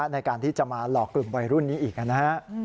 ในการที่จะมาหลอกกลุ่มวัยรุ่นนี้อีกนะฮะ